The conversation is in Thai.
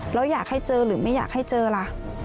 แล้วอยากให้เจอหรือไม่อยากให้เจอล่ะ